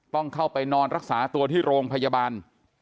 ต้องเข้าไปนอนรักษาตัวที่โรงพยาบาล